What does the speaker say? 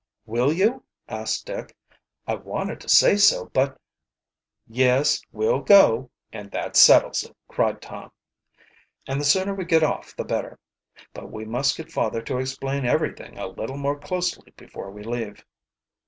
"Will you?" asked Dick. "I wanted to say so, but " "Yes, we'll go, and that settles it," cried Tom. "And the sooner we get off the better. But we must get father to explain everything a little more closely before we leave."